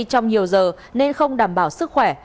trong nhiều giờ nên không đảm bảo sức khỏe